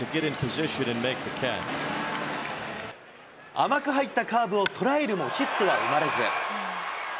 甘く入ったカーブを捉えるも、ヒットは生まれず。